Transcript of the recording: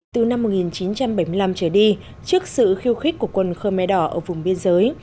từ năm một nghìn chín trăm bảy mươi năm trở đi trước sự khiêu khích của quân khơ me đỏ ở vùng biên giới